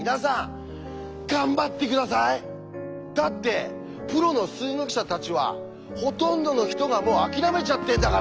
だってプロの数学者たちはほとんどの人がもう諦めちゃってんだから。